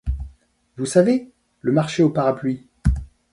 Vous savez? le marché aux Parapluies.